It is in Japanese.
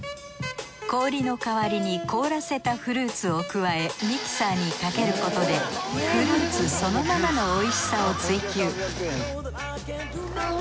氷の代わりに凍らせたフルーツを加えミキサーにかけることでフルーツそのままのおいしさを追求